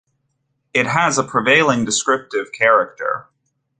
It has a prevailing descriptive character.